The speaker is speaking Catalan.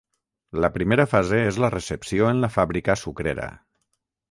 La primera fase és la recepció en la fàbrica sucrera.